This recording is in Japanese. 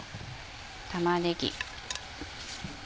玉ねぎ。